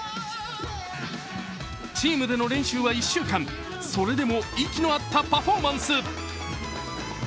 チームでの練習は１週間それでも息の合ったパフォーマンス。